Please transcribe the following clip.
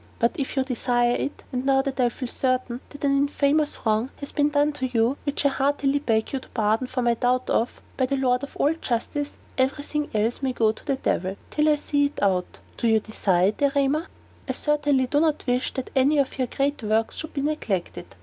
But if you desire it, and now that I feel certain that an infamous wrong has been done to you which I heartily beg your pardon for my doubt of by the Lord of all justice, every thing else may go to the devil, till I see it out. Do you desire it, Erema?" "I certainly do not wish that any of your great works should be neglected.